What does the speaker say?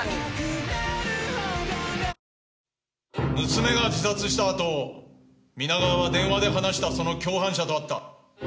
娘が自殺したあと皆川は電話で話したその共犯者と会った。